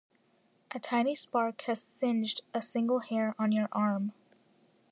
A tiny spark has singed a single hair on your arm.